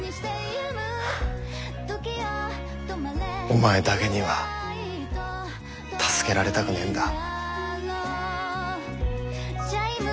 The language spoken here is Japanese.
お前だけには助けられたくねえんだ。